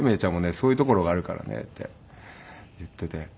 そういうところがあるからね」って言っていて。